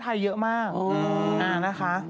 ใช่ไหมสวยช้า